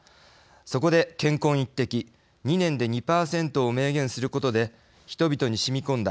そこで乾坤一擲２年で２％を明言することで人々にしみこんだ